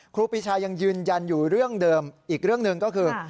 ครูปีชายังยืนยันอยู่เรื่องเดิมอีกเรื่องหนึ่งก็คือ